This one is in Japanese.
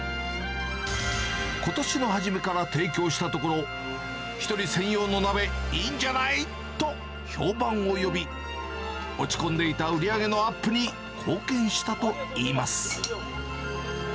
ことしの初めから提供したところ、１人専用の鍋、いいんじゃない、と評判を呼び、落ち込んでいた売り上げのアップに貢献したといいます。